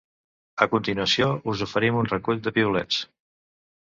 A continuació us oferim un recull de piulets.